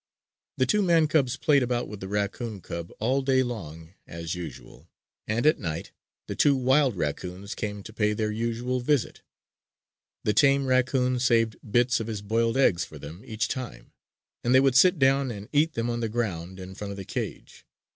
The two man cubs played about with the raccoon cub all day long as usual; and at night the two wild raccoons came to pay their usual visit. The tame raccoon saved bits of his boiled eggs for them each time; and they would sit down and eat them on the ground in front of the cage.